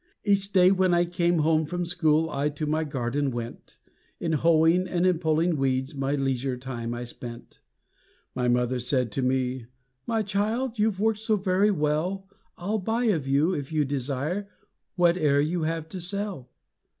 Each day when I came home from school, I to my garden went; In hoeing and in pulling weeds, My leisure time I spent. My mother said to me, "My child, You've worked so very well I'll buy of you, if you desire, Whate'er you have to sell."